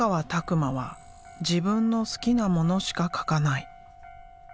馬は自分の好きなものしか描かない。